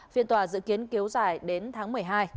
phiên tòa dự kiến kéo dài đến tháng một mươi hai